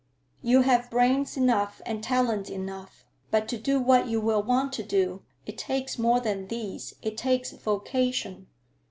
"You have brains enough and talent enough. But to do what you will want to do, it takes more than these—it takes vocation.